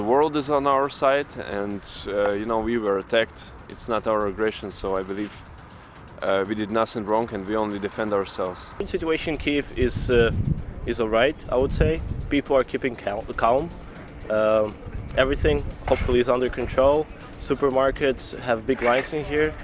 orang orang di sini telah berkongsi